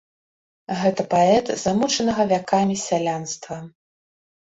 Гэта паэт замучанага вякамі сялянства.